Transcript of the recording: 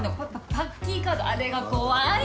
パッキーカードあれが怖いのよ